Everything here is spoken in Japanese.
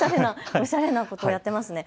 おしゃれなことやっていますね。